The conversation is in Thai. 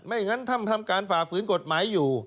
ไม่อย่างนั้นทำการฝ่าฝืนกฎหมายอยู่